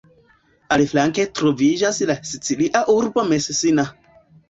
Aliflanke troviĝas la sicilia urbo Messina.